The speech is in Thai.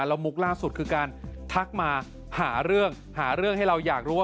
แล้วมุกล่าสุดคือการทักมาหาเรื่องหาเรื่องให้เราอยากรู้ว่า